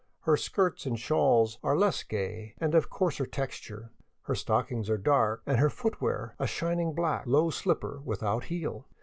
Her skirts and shawls are less gay and of coarser texture, her stockings are dark, and her footwear a shining black, low slipper without heel.